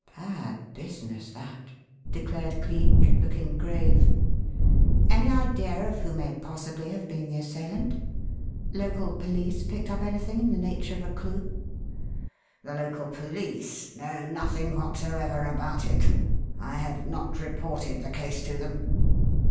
"Bad business, that," declared Cleek, looking grave. "Any idea of who may possibly have been the assailant? Local police picked up anything in the nature of a clue?" "The local police know nothing whatsoever about it. I have not reported the case to them."